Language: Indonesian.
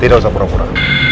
tidak usah pura pura